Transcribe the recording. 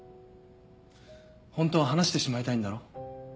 本当は話してしまいたいんだろ？